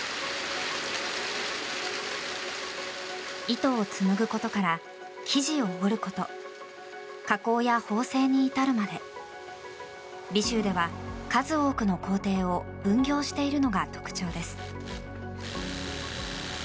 糸を紡ぐことから生地を織ること加工や縫製に至るまで尾州では数多くの工程を分業しているのが特徴です。